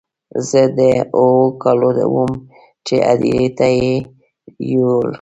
زه د اوو کالو وم چې هدیرې ته یې یووړ.